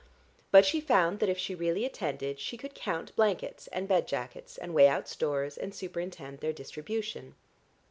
But she found that if she really attended, she could count blankets and bed jackets, and weigh out stores and superintend their distribution.